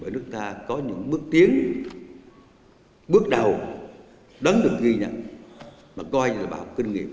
ở nước ta có những bước tiến bước đầu đáng được ghi nhận mà coi là bảo kinh nghiệm